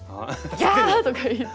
ギャーとか言って。